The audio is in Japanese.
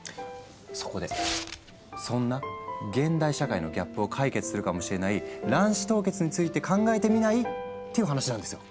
そこでそんな現代社会のギャップを解決するかもしれない卵子凍結について考えてみない？っていう話なんですよ。